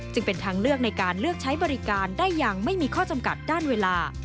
จึงเป็นทางเลือกในการเลือกใช้บริการได้อย่างไม่มีข้อจำกัดด้านเวลา